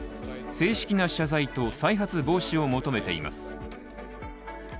正式な謝罪と、再発防止を求めています。